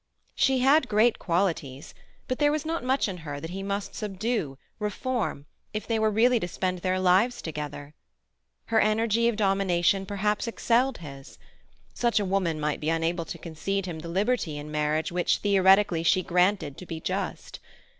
She had great qualities; but was there not much in her that he must subdue, reform, if they were really to spend their lives together? Her energy of domination perhaps excelled his. Such a woman might be unable to concede him the liberty in marriage which theoretically she granted to be just.